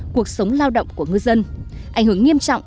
cuộc sống lao động của ngư dân ảnh hưởng nghiêm trọng